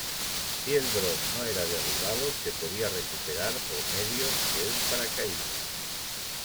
Si el dron no era derribado, se podía recuperar por medio de un paracaídas.